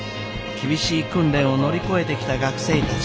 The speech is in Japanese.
厳しい訓練を乗り越えてきた学生たち。